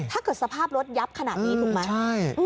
ถ้าเกิดสภาพรถยับขนาดนี้ถูกไหมใช่